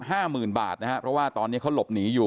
ห้าหมื่นบาทนะฮะเพราะว่าตอนนี้เขาหลบหนีอยู่